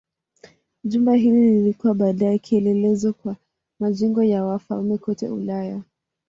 Jumba hili lilikuwa baadaye kielelezo kwa majengo ya wafalme kote Ulaya.